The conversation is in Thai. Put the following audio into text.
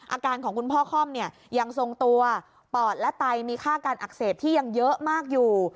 อาการของคุณพ่อค่อมเนี่ยยังทรงตัวปอดและไตมีค่าการอักเสบที่ยังเยอะมากอยู่